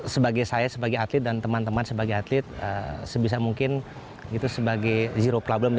sebagai saya sebagai atlet dan teman teman sebagai atlet sebisa mungkin itu sebagai zero problem